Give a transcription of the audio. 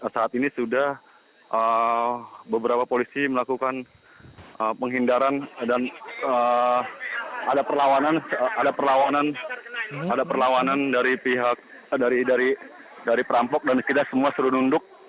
saat ini sudah beberapa polisi melakukan penghindaran dan ada perlawanan dari pihak dari perampok dan kita semua sudah nunduk